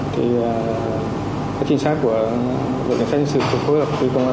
thì các trình sát của bộ kiểm soát nhân sự cộng hợp công an